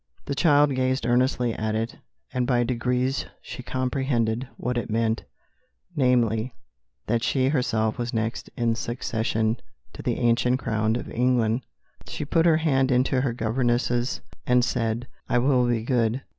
The child gazed earnestly at it, and by degrees she comprehended what it meant, namely, that she herself was next in succession to the ancient crown of England; she put her hand into her governess's and said, "I will be good.